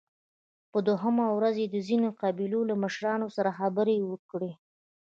په دوهمه ورځ يې د ځينو قبيلو له مشرانو سره خبرې وکړې